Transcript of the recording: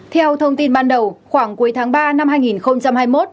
theo thông tin ban đầu khoảng cuối tháng ba năm hai nghìn hai mươi một